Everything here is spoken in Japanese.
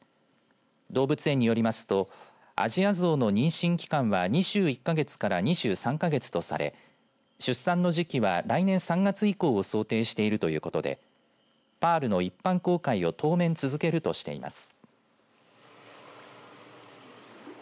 動物園によりますとアジアゾウの妊娠期間は２１か月から２３か月とされ出産の時期は来年３月以降を想定しているということでパールの一般公開を当面続けるとしています。